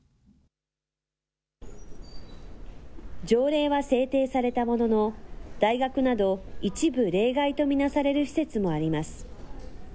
条例は制定されたものの、大学など、一部例外と見なされる施設もあります。